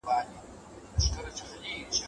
نړيوالي مرستي د سازمانونو لخوا ووېشل سوې.